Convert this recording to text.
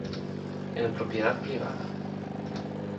En propiedad privada.